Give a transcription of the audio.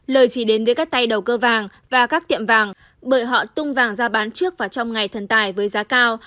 lời chỉ đến với các tay đầu cơ vàng và các tiệm vàng bởi họ tung vàng ra bán trước và trong ngày thần tài với giá cao